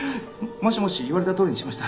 もしもし言われたとおりにしました。